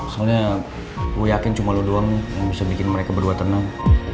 soalnya lo yakin cuma lo doang yang bisa bikin mereka berdua tenang